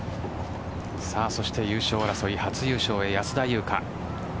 そして優勝争い初優勝へ安田祐香。